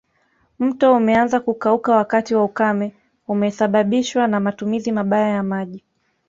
Mto umeanza kukauka wakati wa ukame umesababishwa na matumizi mabaya ya maji